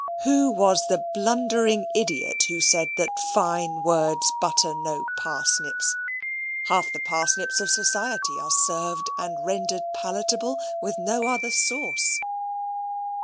Who was the blundering idiot who said that "fine words butter no parsnips"? Half the parsnips of society are served and rendered palatable with no other sauce.